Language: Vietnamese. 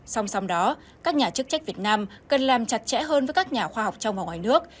song song đó các nhà chức trách việt nam cần làm chặt chẽ hơn với các nhà khoa học trong và ngoài nước